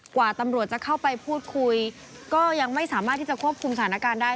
กว่าตำรวจจะเข้าไปพูดคุยก็ยังไม่สามารถที่จะควบคุมสถานการณ์ได้